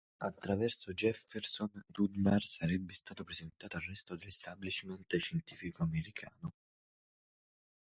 Attraverso Jefferson, Dunbar sarebbe stato presentato al resto dell'establishment scientifico americano.